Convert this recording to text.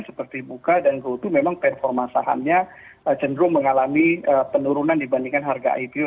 seperti buka dan goto memang performa sahamnya cenderung mengalami penurunan dibandingkan harga ipo